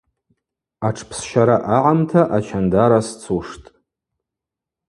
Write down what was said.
Атшпсщара агӏамта Ачандара сцуштӏ.